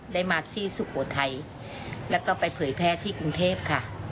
ได้มาที่สุโขทัยแล้วก็ไปเผยแพร่ที่กรุงเทพค่ะ